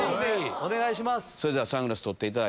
お願いします。